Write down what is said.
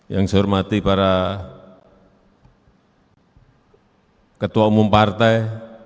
yang saya hormati para ketua umum partai